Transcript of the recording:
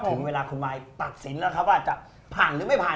ถึงเวลาคุณมายตัดสินแล้วครับว่าจะผ่านหรือไม่ผ่าน